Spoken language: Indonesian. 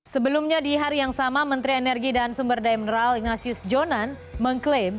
sebelumnya di hari yang sama menteri energi dan sumber daya mineral ignatius jonan mengklaim